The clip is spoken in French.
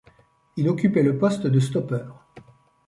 Il occupait le poste de stoppeur.